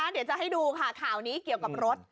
เดี๋ยวจะให้ดูค่ะข่าวนี้เกี่ยวกับรถ